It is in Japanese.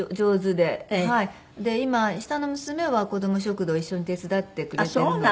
で今下の娘は子ども食堂一緒に手伝ってくれてるので。